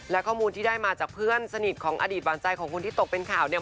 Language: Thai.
และข้อมูลที่ได้มาจากเพื่อนสนิทของอดีตหวานใจของคนที่ตกเป็นข่าวเนี่ย